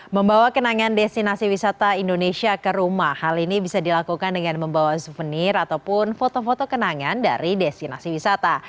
membawa kenangan destinasi wisata indonesia ke rumah hal ini bisa dilakukan dengan membawa suvenir ataupun foto foto kenangan dari destinasi wisata